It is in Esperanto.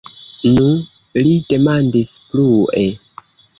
Nu? li demandis plue.